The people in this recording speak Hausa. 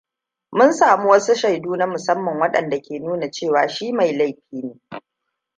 Mun sami wasu shaidu na musamman waɗanda ke nuna cewa shi mai laifi ne.